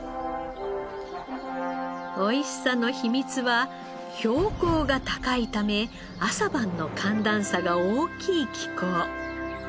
おいしさの秘密は標高が高いため朝晩の寒暖差が大きい気候。